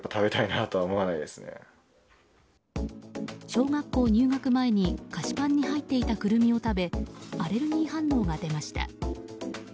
小学校入学前に菓子パンに入っていたクルミを食べアレルギー反応が出ました。